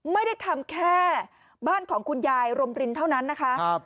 ไม่ได้ทำแค่บ้านของคุณยายรมรินเท่านั้นนะคะ